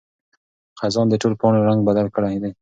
خزان د ټولو پاڼو رنګ بدل کړی دی.